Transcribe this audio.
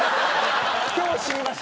今日死にました。